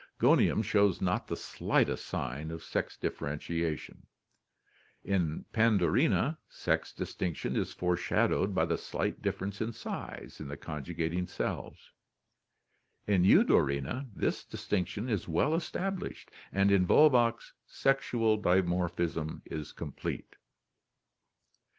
Gonium shows not the slight est sign of sex differentiation; in Pandorina sex distinction is fore shadowed by the slight difference in size in the conjugating cells; in Eudorina this distinction is well established; and in Volvox sexual dimorphism is complete.